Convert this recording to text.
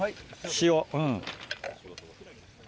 塩。